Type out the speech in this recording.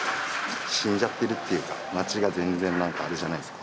死んじゃってるっていうか町が全然なんかあれじゃないですか。